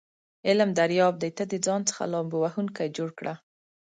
علم دریاب دی ته دځان څخه لامبو وهونکی جوړ کړه س